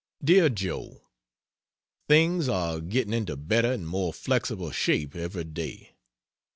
DEAR JOE, Things are getting into better and more flexible shape every day.